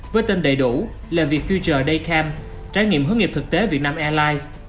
với tên đầy đủ là vietfuture day camp trải nghiệm hướng nghiệp thực tế vietnam airlines